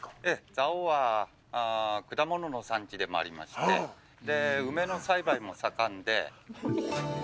蔵王は果物の産地でもありまして、梅の栽培も盛んで。